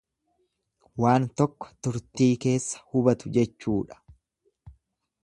Waan tokko turtii keessa hubatu jechuudha.